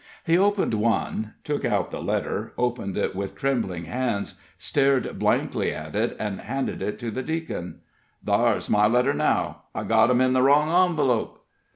He opened one, took out the letter, opened it with trembling hands, stared blankly at it, and handed it to the deacon. "Thar's my letter now I got 'em in the wrong envelope!"